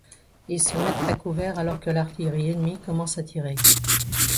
Ils se mettent à couvert alors que l'artillerie ennemie commence à tirer.